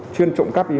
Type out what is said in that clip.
chuyên trộm cắp